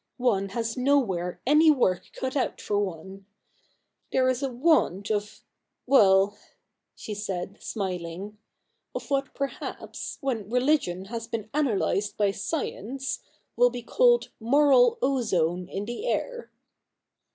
One has nowhere any work cut out for one. There is a want of — well —' she said, smiling, ' of what perhaps, when religion has been analysed by science, will be called moral ozone in the air.'